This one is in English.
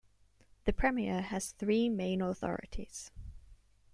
The premier has three main authorities.